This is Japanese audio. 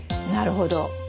なるほど。